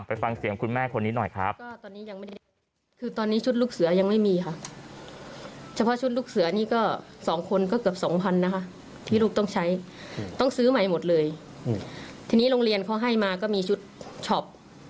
ฟังเสียงคุณแม่คนนี้หน่อยครับ